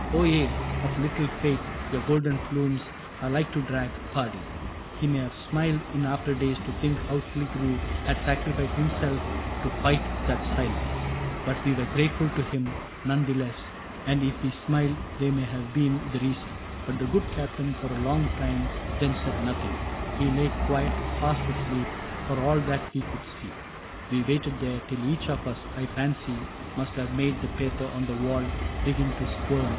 .•. O ye of little faith, your golden plumes Are like to drag ... par dee !"— We may have smiled In after days to think how Killigrew Had sacrificed himself to fight that silence, But we were grateful to him, none the less ; And if we smiled, that may have been the rea« son. CAPTAIN CRAIG ^^ But the good Captain for a long time then Said nothing : he lay quiet — fast asleep, For all that we could see. We waited there Till each of us, I fancy, must have made The paper on the wall begin to squirm.